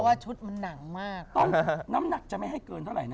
น้ำหนักจะไม่ให้เกินเท่าไหร่นะครับ